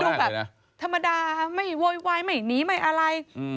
แบบธรรมดาไม่โวยวายไม่หนีไม่อะไร